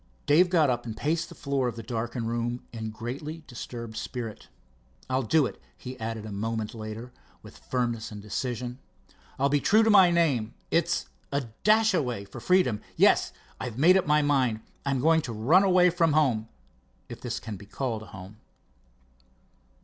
Dave got up and paced the floor of the darkened room in greatly disturbed spirit. "I'll do it," he added a moment later, with firmness and decision. "I'll be true to my name—it's a 'dash away' for freedom. Yes, I've made up my mind. I'm going to run away from home—if this can be called home."